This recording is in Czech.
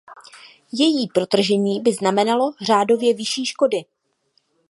Její protržení by znamenalo řádově vyšší škody.